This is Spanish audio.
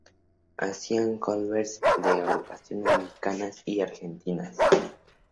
Hacían covers de agrupaciones mexicanas y argentinas.